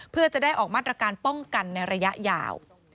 เพื่อจะได้ออกมาตรการป้องกันในระยะยาว